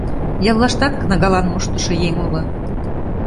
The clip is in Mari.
Яллаштат кнагалан моштышо еҥ уло.